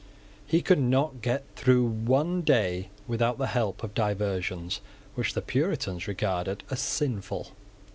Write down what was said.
He could not get through one day without the help of diversions which the Puritans regarded as sinful.